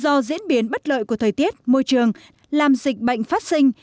do diễn biến bất lợi của thời tiết môi trường làm dịch bệnh phát sinh